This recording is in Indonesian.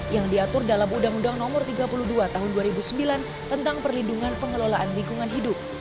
yang diatur dalam undang undang no tiga puluh dua tahun dua ribu sembilan tentang perlindungan pengelolaan lingkungan hidup